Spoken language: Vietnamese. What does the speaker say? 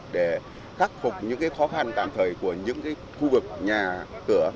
để khắc phục những khó khăn tạm thời của những khu vực nhà cửa